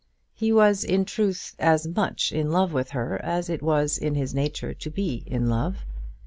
He was, in truth, as much in love with her as it was in his nature to be in love.